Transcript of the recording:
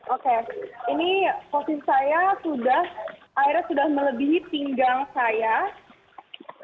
oke ini posisi saya sudah airnya sudah melebihi pinggang saya